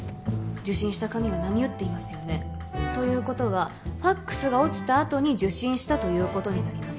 受信した紙が波打っていますよね？ということはファクスが落ちたあとに受信したということになります